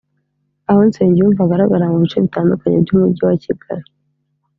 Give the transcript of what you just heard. Aho Nsengiyumva agaragara mu bice bitandukanye by’Umujyi wa Kigali